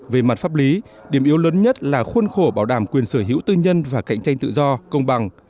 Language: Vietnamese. về mặt pháp lý điểm yếu lớn nhất là khuôn khổ bảo đảm quyền sở hữu tư nhân và cạnh tranh tự do công bằng